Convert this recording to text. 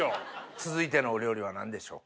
続いてのお料理は何でしょうか？